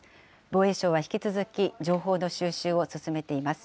防衛省は引き続き情報の収集を進めています。